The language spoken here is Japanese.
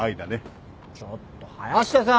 ちょっと林田さん！